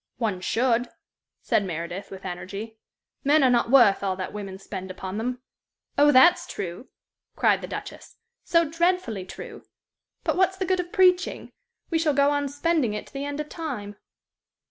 "One should," said Meredith, with energy. "Men are not worth all that women spend upon them." "Oh, that's true!" cried the Duchess "so dreadfully true! But what's the good of preaching? We shall go on spending it to the end of time."